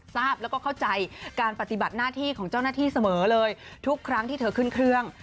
ทราบแล้วก็เข้าใจการปฏิบัติหน้าที่ของเจ้าหน้าที่เสมอเลยทุกครั้งที่เธอขึ้นเครื่อง